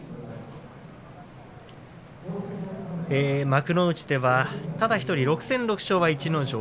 幕内ではただ１人、６戦６勝は逸ノ城。